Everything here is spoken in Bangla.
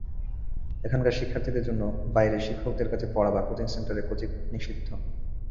এখানকার শিক্ষার্থীদের জন্য বাইরে শিক্ষকের কাছে পড়া বা কোচিং সেন্টারে কোচিং নিষিদ্ধ।